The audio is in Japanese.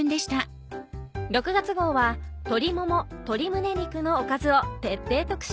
６月号は鶏もも鶏胸肉のおかずを徹底特集。